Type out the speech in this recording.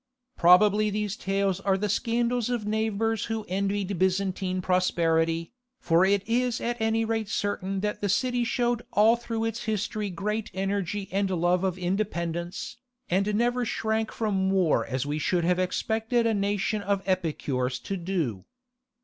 Probably these tales are the scandals of neighbours who envied Byzantine prosperity, for it is at any rate certain that the city showed all through its history great energy and love of independence, and never shrank from war as we should have expected a nation of epicures to do.